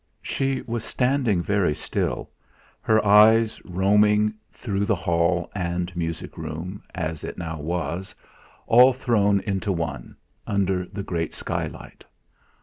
She was standing very still, her eyes roaming through the hall and music room, as it now was all thrown into one, under the great skylight.